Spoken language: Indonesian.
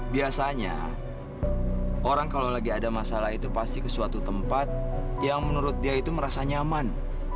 biasanya orang kalau lagi ada masalah itu pasti ke suatu tempat yang menurut dia itu merasa nyaman